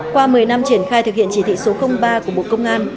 qua một mươi năm triển khai thực hiện chỉ thị số ba của bộ công an